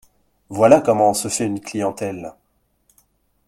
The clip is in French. Voilà comment on se fait une clientèle !